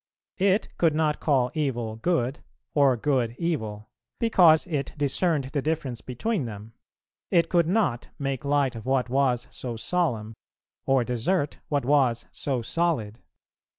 It could not call evil good, or good evil, because it discerned the difference between them; it could not make light of what was so solemn, or desert what was so solid.